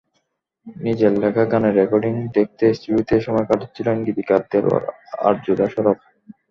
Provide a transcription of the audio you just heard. নিজের লেখা গানের রেকর্ডিং দেখতে স্টুডিওতে সময় কাটাচ্ছিলেন গীতিকার দেলোয়ার আরজুদা শরফ।